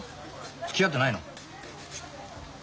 つきあってないの？